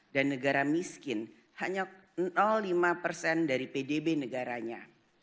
dan negara miskin hanya lima dari pbb negaranya